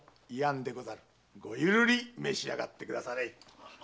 ごゆるり召し上がってくだされ。